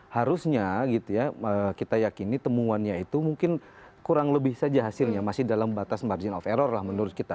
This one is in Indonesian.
harusnya gitu ya kita yakini temuannya itu mungkin kurang lebih saja hasilnya masih dalam batas margin of error lah menurut kita